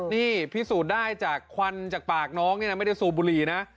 นี่พิสูจน์ได้จากควันจากปากน้องนี่นะไม่ได้สูบบุหรี่นะ